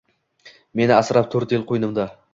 Seni asrab to’rt yil qo’ynimda…